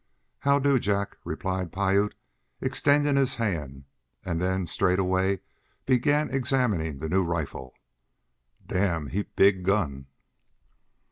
"How do Jack?" replied Piute, extending his hand, and then straightway began examining the new rifle. "Damn heap big gun!"